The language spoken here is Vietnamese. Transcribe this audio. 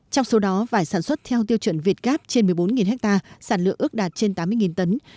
trong số đó vải sản xuất theo tiêu chuẩn việt gáp trên một mươi bốn hectare sản lượng ước đạt trên tám mươi tấn